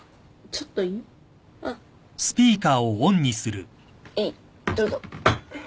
はいどうぞ。